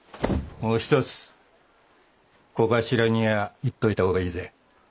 もう一つ小頭にゃ言っといた方がいいぜ。